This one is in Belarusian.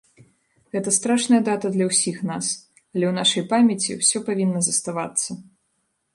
Гэта страшная дата для ўсіх нас, але ў нашай памяці ўсё павінна заставацца.